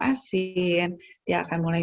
asin dia akan mulai